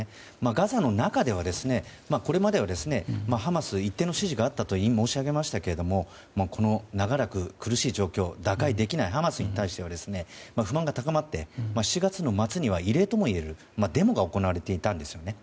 ガザの中では、これまではハマスに一定の支持があったと申し上げましたが長らく苦しい状況を打開できないハマスに対しては不満が高まって７月の末には異例ともいえるデモが行われたんですよね。